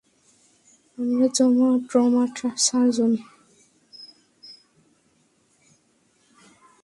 আমরা trauma surgeon.